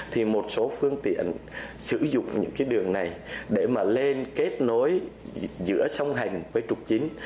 thì một số phương tiện sử dụng những cái đường này để mà lên kết nối giữa song hành với trục chính